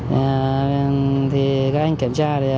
các anh kiểm tra